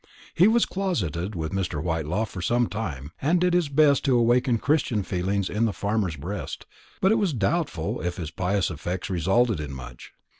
He was closeted with Mr. Whitelaw for some time, and did his best to awaken Christian feelings in the farmer's breast; but it was doubtful if his pious efforts resulted in much.